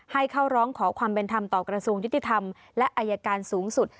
ให้เข้าร้องขอความเป็นธรรมต่อกระทรวงยุติธรรมและอายการสูงสุด